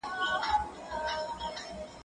قلم وکاروه!.